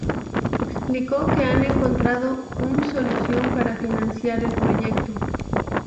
Explicó que han encontrado un solución para financiar el proyecto.